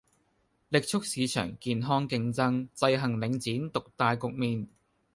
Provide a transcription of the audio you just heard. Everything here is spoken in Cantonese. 力促市場健康競爭，制衡領展獨大局面